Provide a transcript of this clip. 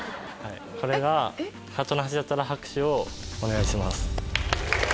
これがハートの８だったら拍手をお願いします。